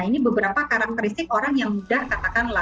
nah ini beberapa karakteristik dari orang yang sudah katakan love scam